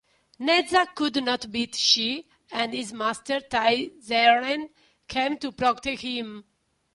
Nezha could not beat Shiji and his master Taiyi Zhenren came to protect him.